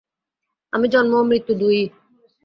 আমি জন্ম ও মৃত্যু দুই-ই।